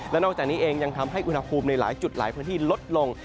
และนอกจากนี้เองยังทำให้อุณหภูมิในหลายจุดหลายพื้นที่ลดลง